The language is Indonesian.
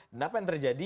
dan apa yang terjadi